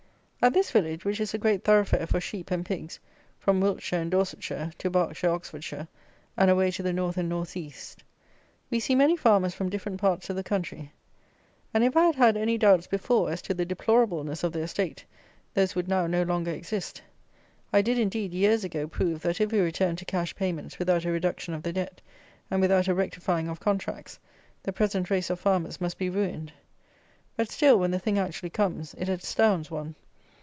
At this village, which is a great thoroughfare for sheep and pigs, from Wiltshire and Dorsetshire to Berkshire, Oxfordshire, and away to the North and North East, we see many farmers from different parts of the country; and, if I had had any doubts before, as to the deplorableness of their state, those would now no longer exist. I did, indeed, years ago, prove, that if we returned to cash payments without a reduction of the Debt, and without a rectifying of contracts, the present race of farmers must be ruined. But still, when the thing actually comes, it astounds one.